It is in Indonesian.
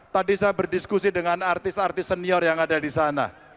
tadi saya berdiskusi dengan artis artis senior yang ada di sana